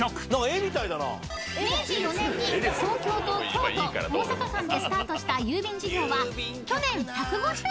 ［明治４年に東京と京都大阪間でスタートした郵便事業は去年１５０年に］